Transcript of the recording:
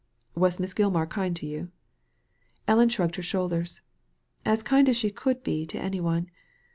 "Was Miss Gilmar kind to you ?'* Edith shrugged her shoulders. '^ As kind as she could be to any one.